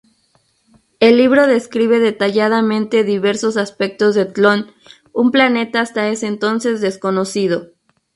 El libro describe detalladamente diversos aspectos de Tlön, un planeta hasta ese entonces desconocido.